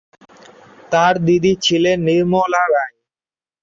তার দিদি ছিলেন নির্মলা রায়।